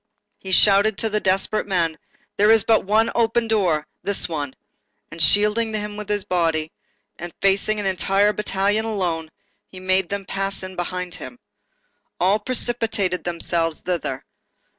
He shouted to the desperate men:—"There is but one door open; this one."—And shielding them with his body, and facing an entire battalion alone, he made them pass in behind him. All precipitated themselves thither.